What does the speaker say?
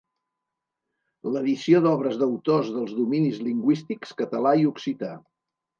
L'edició d'obres d'autors dels dominis lingüístics català i occità.